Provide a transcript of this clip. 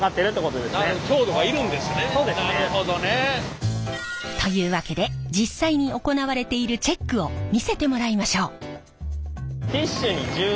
なるほどね。というわけで実際に行われているチェックを見せてもらいましょう。